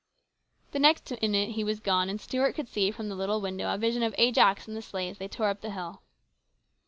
The next minute he was gone, and Stuart could see from the little window a vision of Ajax and the sleigh as they tore up the hill.